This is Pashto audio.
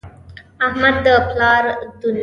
احمد د پلار دونیا ته اور ورته کړ.